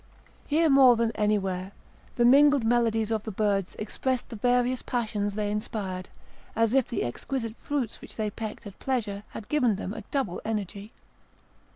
Here more than anywhere the mingled melodies of birds expressed the various passions they inspired, as if the exquisite fruits which they pecked at pleasure had given them a double energy.